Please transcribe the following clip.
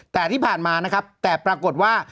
แต่ที่ผ่านมานะครับแต่ปรากฏว่า